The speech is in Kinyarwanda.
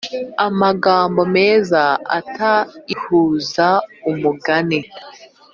amagambo meza ata ihuza umugani